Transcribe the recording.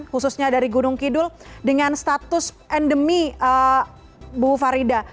khususnya dari gunung kidul dengan status endemi bu farida